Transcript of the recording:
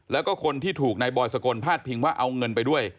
แล้วก็คนที่ถูกนายบอยสกลพาดพิงว่าเอาเงินไปด้วย